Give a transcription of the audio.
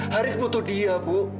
haris butuh dia bu